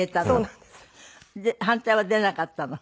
で反対は出なかったの？